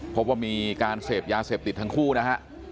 พบว่ามีการเสพยาเสพติดทั้งคู่นะฮะ